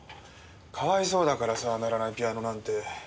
かわいそうだからさ鳴らないピアノなんて。